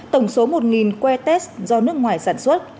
tổng số một que test do nước ngoài sản xuất